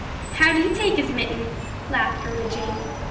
"How'd he take his mitten?" laughed Rhoda Jane.